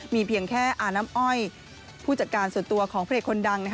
มีเพียงแค่อาน้ำอ้อยผู้จัดการส่วนตัวของพระเอกคนดัง